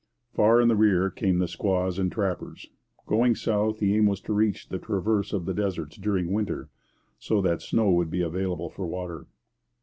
Far in the rear came the squaws and trappers. Going south, the aim was to reach the traverse of the deserts during winter, so that snow would be available for water.